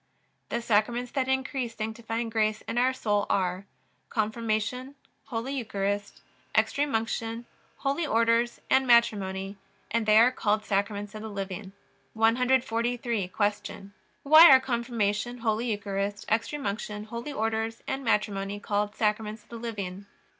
The Sacraments that increase sanctifying grace in our soul are: Confirmation, Holy Eucharist, Extreme Unction, Holy Orders, and Matrimony; and they are called Sacraments of the living. 143. Q. Why are Confirmation, Holy Eucharist, Extreme Unction, Holy Orders, and Matrimony called Sacraments of the living?